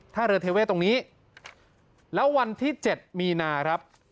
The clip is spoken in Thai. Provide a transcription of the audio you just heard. ถ้าเรือเทเวศตรงนี้แล้ววันที่๗มีนาครับ